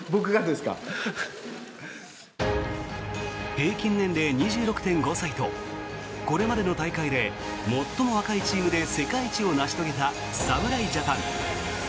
平均年齢２６．５歳とこれまでの大会で最も若いチームで世界一を成し遂げた侍ジャパン。